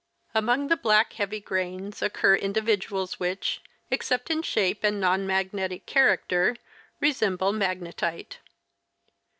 Among the black, heavy grains occur individuals which, except in shape and non magnetic character, resemble magnetite.